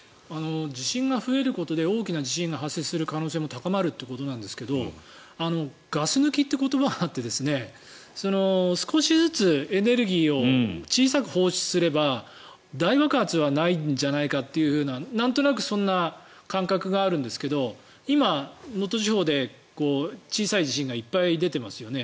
地震が増えることで大きな地震が発生する可能性も高まるということですがガス抜きという言葉があって少しずつエネルギーを小さく放出すれば大爆発はないんじゃないかというようななんとなくそんな感覚があるんですけど今、能登地方で小さい地震がいっぱい出ていますよね。